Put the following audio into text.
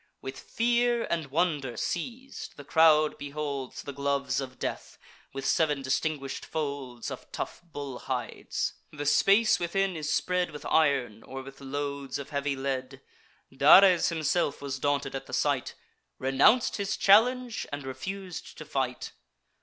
With fear and wonder seiz'd, the crowd beholds The gloves of death, with sev'n distinguish'd folds Of tough bull hides; the space within is spread With iron, or with loads of heavy lead: Dares himself was daunted at the sight, Renounc'd his challenge, and refus'd to fight.